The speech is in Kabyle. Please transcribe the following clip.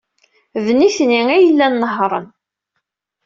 D nitni ay yellan nehhṛen.